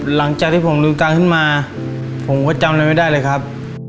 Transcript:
หลังจากที่ผมดูการขึ้นมาผมก็จำอะไรไม่ได้เลยครับ